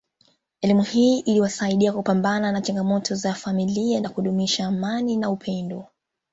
Elimu hii iliwasaidia kupambana na changamoto za familia na kudumisha amani na upendo